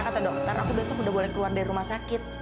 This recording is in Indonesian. kata dokter aku besok udah boleh keluar dari rumah sakit